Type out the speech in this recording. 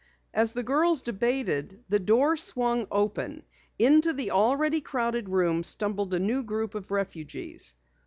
As the girls debated, the door swung open. Into the already over crowded room stumbled a new group of refugees.